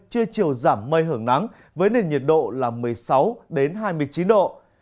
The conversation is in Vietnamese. trưa chiều giảm mây hưởng nắng với nền nhiệt độ là một mươi sáu hai mươi chín độ